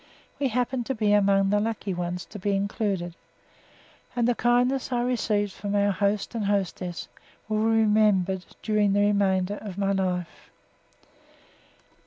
We happened to be among the lucky ones to be included, and the kindness I received from our host and hostess will be remembered during the remainder of my life.